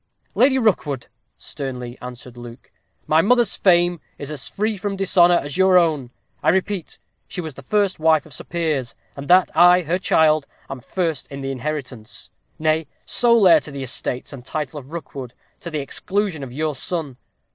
"Lady Rookwood," sternly answered Luke, "my mother's fame is as free from dishonor as your own. I repeat, she was the first wife of Sir Piers; and that I, her child, am first in the inheritance; nay, sole heir to the estates and title of Rookwood, to the exclusion of your son.